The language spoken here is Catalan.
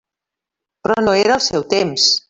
Però no era el seu temps.